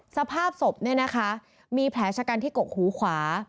สภาพศพเนี่ยนะคะมีแผลชะกันที่กกหูขวา